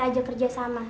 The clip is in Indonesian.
kita ajak kerja sama